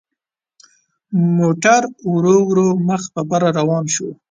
موټر ورو ورو مخ په بره روان شو.